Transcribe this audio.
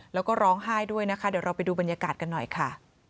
แล้วก็ร้องไห้ด้วยนะคะเดี๋ยวเราไปดูบรรยากาศกันหน่อยค่ะ